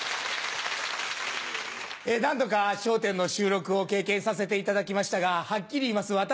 何度か『笑点』の収録を経験させていただきましたがはっきり言います。